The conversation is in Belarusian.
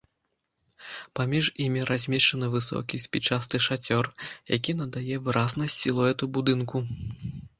Паміж імі размешчаны высокі спічасты шацёр, які надае выразнасць сілуэту будынку.